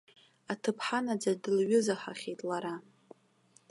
Аҭыԥҳа наӡа дылҩызахахьеит лара.